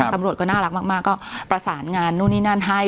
ตำรวจก็น่ารักมากก็ประสานงานนู่นนี่นั่นให้